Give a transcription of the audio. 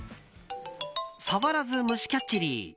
触らずむしキャッチリー。